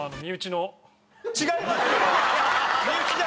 違いますよ。